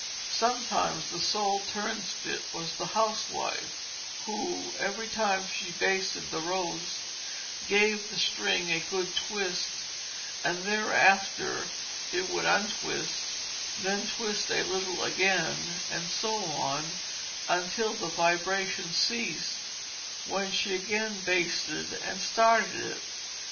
Sometimes the sole turnspit was the housewife, who, every time she basted the roast, gave the string a good twist, and thereafter it would untwist, and then twist a little again, and so on until the vibration ceased, when she again basted and started it.